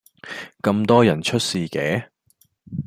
咁多人出事嘅?